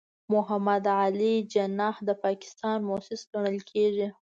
محمد علي جناح د پاکستان مؤسس ګڼل کېږي.